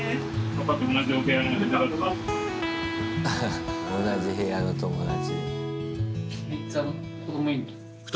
ハハッ同じ部屋の友達。